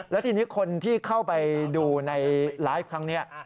แล้วทีนี้คนที่เข้าไปดูในไลฟ์ครั้งนี้